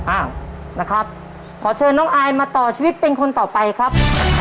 อ้าวนะครับขอเชิญน้องอายมาต่อชีวิตเป็นคนต่อไปครับ